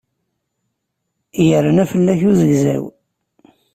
Yerna fell-ak uzegzaw.